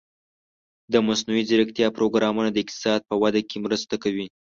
د مصنوعي ځیرکتیا پروګرامونه د اقتصاد په وده کې مرسته کوي.